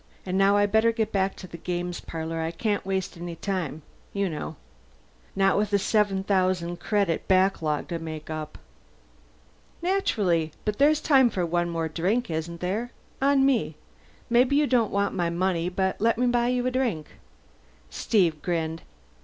And now I'd better get back to the games parlor I can't waste any time, you know. Not with a seven thousand credit backlog to make up." "Naturally. But there's time for one more drink, isn't there? On me. Maybe you don't want my money, but let me buy you a drink." Steve grinned.